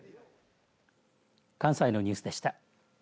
関西のニュースでした。